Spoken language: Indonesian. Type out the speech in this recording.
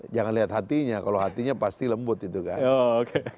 jangan lihat hatinya kalau hatinya pasti lembut itu kan